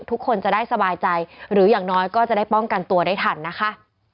ทุกคนจะได้สบายใจหรืออย่างน้อยก็จะได้ป้องกันตัวได้ทันนะคะ